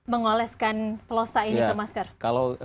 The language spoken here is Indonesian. mengoleskan pelosta ini ke masker kalau